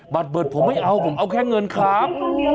เบิดผมไม่เอาผมเอาแค่เงินครับ